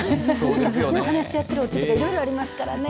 話し合ってるおうちとかいろいろありますからね。